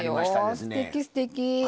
すてき、すてき。